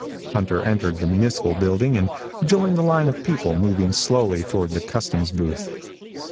Hunter entered the municipal building and joined the line of people moving slowly toward the customs booth.